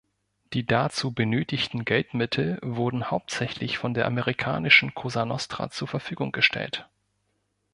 Die dazu benötigten Geldmittel wurden hauptsächlich von der amerikanischen Cosa Nostra zur Verfügung gestellt.